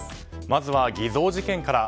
まずは偽造事件から。